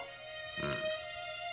うん。